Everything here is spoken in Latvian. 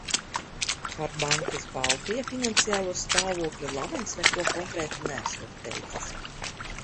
"Par bankas "Baltija" finansiālo stāvokli Lavents neko konkrēti neesot teicis."